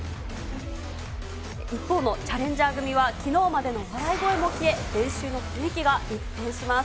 一方のチャレンジャー組は、きのうまでの笑い声も消え、練習の雰囲気が一変します。